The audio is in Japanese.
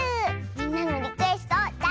みんなのリクエストをだ